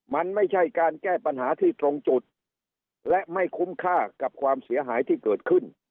มันไม่ใช่การแก้ปัญหาที่ตรงจุดและไม่คุ้มค่ากับความเสียหายที่เกิดขึ้น